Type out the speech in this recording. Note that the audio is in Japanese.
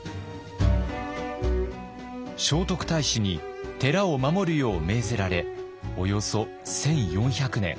聖徳太子に寺を守るよう命ぜられおよそ１，４００年。